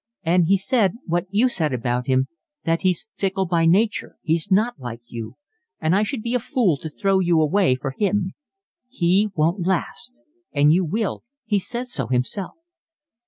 And he said what you said about him, that he's fickle by nature, he's not like you, and I should be a fool to throw you away for him. He won't last and you will, he says so himself."